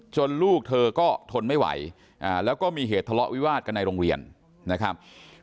ลูกเธอก็ทนไม่ไหวแล้วก็มีเหตุทะเลาะวิวาสกันในโรงเรียนนะครับ